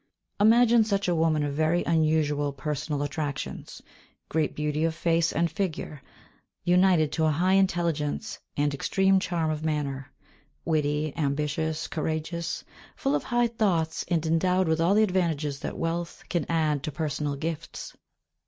Imagine such a woman of very unusual personal attractions: great beauty of face and figure united to a high intelligence and extreme charm of manner; witty, ambitious, courageous, full of high thoughts and endowed with all the advantages that wealth can add to personal gifts.